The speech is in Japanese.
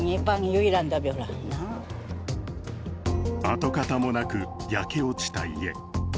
跡形もなく焼け落ちた家。